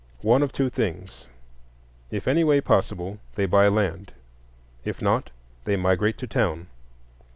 One of two things: if any way possible, they buy land; if not, they migrate to town.